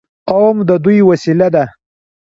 قوم د دوی وسیله ده.